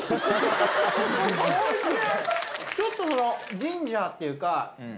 ちょっとそのジンジャーっていうか。